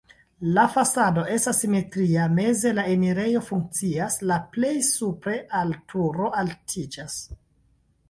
La fasado estas simetria, meze la enirejo funkcias, la plej supre al turo altiĝas.